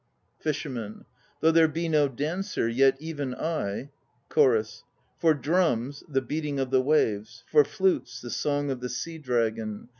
FISHERMAN. Though there be no dancer, yet even I CHORUS. For drums the beating of the waves. For flutes the song of the sea dragon.